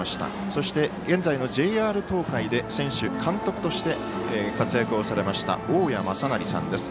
そして、現在のＪＲ東海で選手、監督として活躍をされました大矢正成さんです。